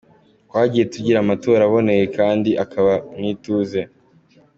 Twagiye tugira amatora aboneye kandi akaba mu ituze.